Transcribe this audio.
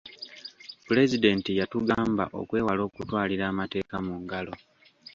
Pulezidenti yatugamba okwewala okutwalira amateeka mu ngalo.